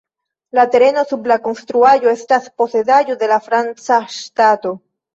La tereno sub la konstruaĵo estas posedaĵo de la franca ŝtato.